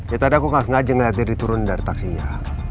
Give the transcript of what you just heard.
ya tadi aku ngajeng ngajeng lihat dia diturun dari taksinya